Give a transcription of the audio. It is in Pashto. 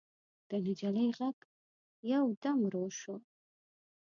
د نجلۍ غږ يودم ورو شو.